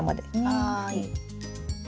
はい。